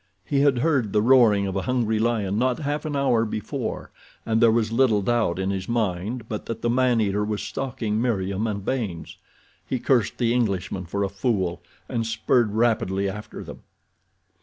He had heard the roaring of a hungry lion not half an hour before, and there was little doubt in his mind but that the man eater was stalking Meriem and Baynes. He cursed the Englishman for a fool, and spurred rapidly after them.